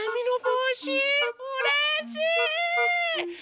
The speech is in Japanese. うれしい！